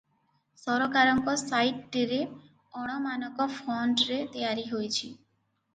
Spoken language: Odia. ସରକାରଙ୍କ ସାଇଟଟିରେ ଅଣ-ମାନକ ଫଣ୍ଟରେ ତିଆରି ହୋଇଛି ।